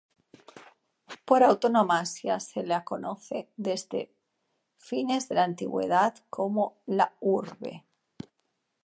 Por antonomasia, se la conoce desde fines de la Antigüedad como la Urbe.